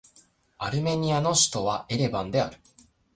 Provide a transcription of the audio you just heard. アルメニアの首都はエレバンである